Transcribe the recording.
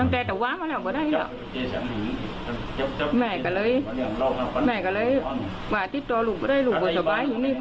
เขาก็ได้ลูกสาวไว้อยู่ในบล๑๘๙๐